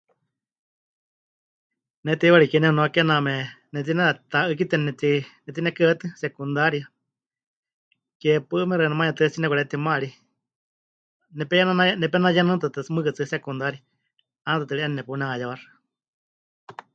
Ne teiwari kie nemɨnua kename netineta'ɨ́kitɨani neti... netinekɨhɨawétɨ secundaria, ke paɨmexa manuyetɨa tsinepɨkaretima ri, nepenyana... nepenayenɨ tɨtɨ mɨɨkɨ tsɨ secundaria, 'aana tɨtɨ ri 'eena nepunehayewaxɨ.